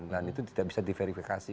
dan itu tidak bisa diverifikasi